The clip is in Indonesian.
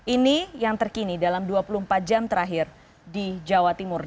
ini yang terkini dalam dua puluh empat jam terakhir di jawa timur